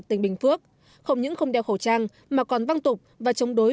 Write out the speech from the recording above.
tỉnh bình phước không những không đeo khẩu trang mà còn văng tục và chống đối